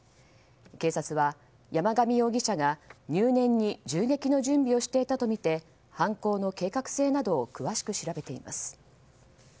警察は山上容疑者が入念に銃撃の準備をしていたとみて犯行の計画性などを詳しく調べています。